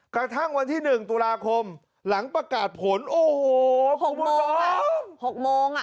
กระทั่งวันที่๑ตุลาคมหลังประกาศผลโอ้โห๖โมง๖โมงอ่ะ